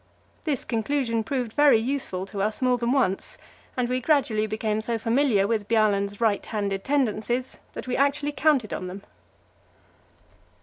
This conclusion proved very useful to us more than once, and we gradually became so familiar with Bjaaland's right handed tendencies that we actually counted on them.